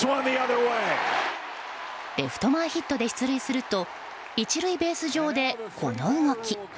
レフト前ヒットで出塁すると１塁ベース上で、この動き。